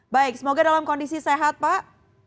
baik semoga dalam kondisi sehat pak